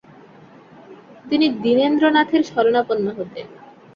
তিনি দিনেন্দ্রনাথের স্মরণাপন্ন হতেন।